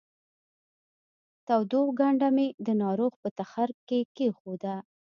تودوښ کنډه مې د ناروغ په تخرګ کې کېښوده